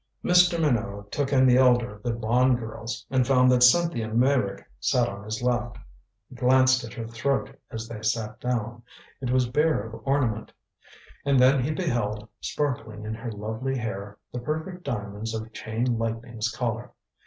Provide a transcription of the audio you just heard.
Mr. Minot took in the elder of the Bond girls, and found that Cynthia Meyrick sat on his left. He glanced at her throat as they sat down. It was bare of ornament. And then he beheld, sparkling in her lovely hair, the perfect diamonds of Chain Lightning's Collar.